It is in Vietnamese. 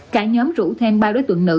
cả nhóm rủ thêm ba đối tượng nữ